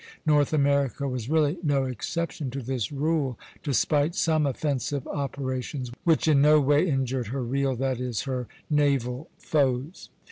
North America was really no exception to this rule, despite some offensive operations which in no way injured her real, that is her naval, foes.